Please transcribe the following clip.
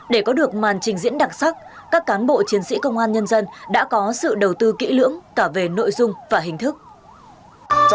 để có được màn trình diễn đặc sắc các cán bộ chiến sĩ công an nhân dân đã có sự đầu tư kỹ lưỡng cả về nội dung và hình thức